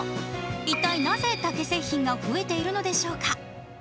一体なぜ竹製品が増えているのでしょうか。